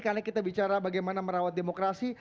karena kita bicara bagaimana merawat demokrasi